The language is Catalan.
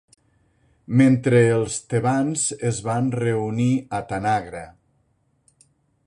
Mentre els tebans es van reunir a Tanagra.